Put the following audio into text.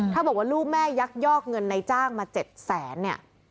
ถ้าบอกว่าลูกแม่ยักยอกเงินในจ้างมา๗แสนเนี่ย